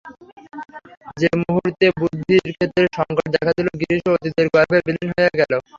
যে মুহূর্তে বুদ্ধির ক্ষেত্রে সঙ্কট দেখা দিল, গ্রীসও অতীতের গর্ভে বিলীন হইয়া গেল।